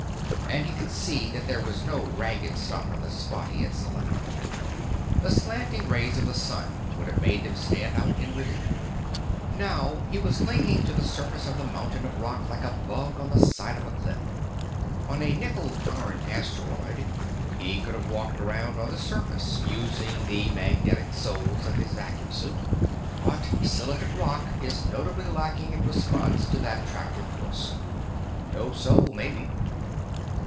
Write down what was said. And he could see that there was no ragged stuff on the spot he had selected. The slanting rays of the sun would have made them stand out in relief. Now he was clinging to the surface of the mountain of rock like a bug on the side of a cliff. On a nickel iron asteroid, he could have walked around on the surface, using the magnetic soles of his vacuum suit. But silicate rock is notably lacking in response to that attractive force. No soul, maybe.